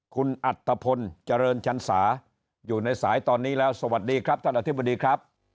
คุณอัตภพลเจริญชันสาอยู่ในสายตอนนี้แล้วสวัสดีครับท่านอธิบดีครับ